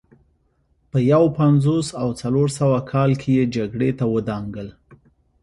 په یو پنځوس او څلور سوه کال کې یې جګړې ته ودانګل